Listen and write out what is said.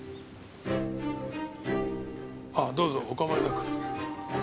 あどうぞお構いなく。